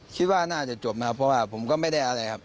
คิดว่าน่าจะจบนะครับเพราะว่าผมก็ไม่ได้อะไรครับ